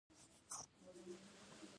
• بادام د سترګو روغتیا لپاره ځانګړې ګټه لري.